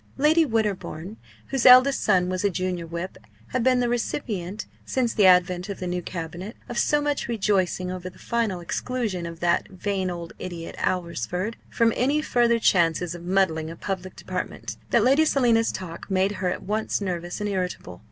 Lady Winterbourne, whose eldest son was a junior whip, had been the recipient, since the advent of the new Cabinet, of so much rejoicing over the final exclusion of "that vain old idiot, Alresford," from any further chances of muddling a public department, that Lady Selina's talk made her at once nervous and irritable.